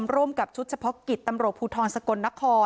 ร่วมกับชุดเฉพาะกิจตพศน